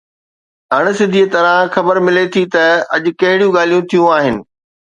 اڻ سڌي طرح خبر ملي ٿي ته اڄ ڪهڙيون ڳالهيون ٿيون آهن.